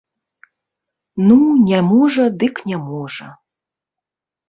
Ну, не можа дык не можа.